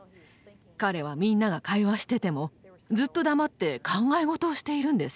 彼はみんなが会話しててもずっと黙って考え事をしているんです。